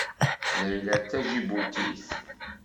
Layla d Taǧibutit.